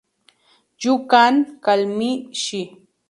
You can call me she.